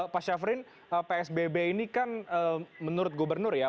pak syafrin psbb ini kan menurut gubernur ya